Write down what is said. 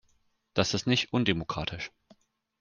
Das ist nicht undemokratisch.